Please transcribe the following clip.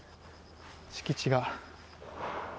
敷地が。